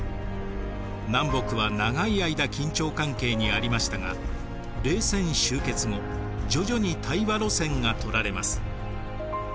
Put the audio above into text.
南北は長い間緊張関係にありましたが冷戦終結後徐々に対話路線がとられます。